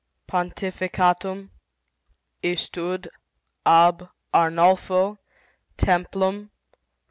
PONTIFICATUM . ISTUD . AB . ARNOLFO . TEMPLUM